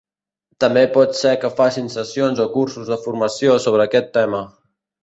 També pot ser que facin sessions o cursos de formació sobre aquest tema.